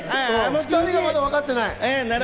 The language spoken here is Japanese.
２人、まだわかってない。